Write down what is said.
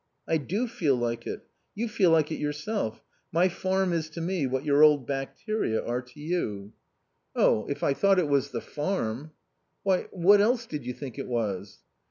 "I do feel like it. You feel like it yourself My farm is to me what your old bacteria are to you." "Oh, if I thought it was the farm " "Why, what else did you think it was?"